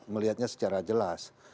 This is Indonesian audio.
melihatnya secara jelas